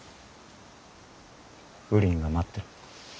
ウリンが待ってる。